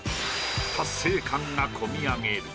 達成感が込み上げる。